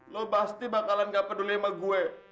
lo pasti bakalan gak peduli sama gue